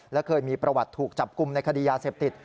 และเคยมีประวัติถูกจับกลุ่มในคดียาเสพติด